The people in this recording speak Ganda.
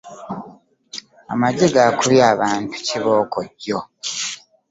Amagye gaakubye abantu kibooko jjo.